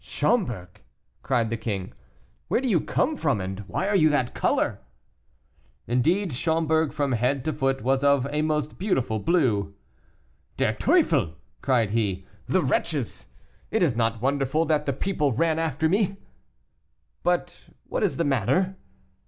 "Schomberg," cried the king, "where do you come from, and why are you that color?" Indeed, Schomberg from head to foot was of a most beautiful blue. "Der Teufel!" cried he, "the wretches! It is not wonderful that the people ran after me." "But what is the matter?"